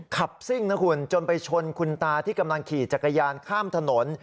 ซิ่งนะคุณจนไปชนคุณตาที่กำลังขี่จักรยานข้ามถนน